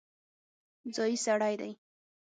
ځايي سړی دی.